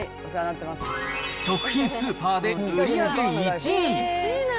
食品スーパーで売り上げ１位。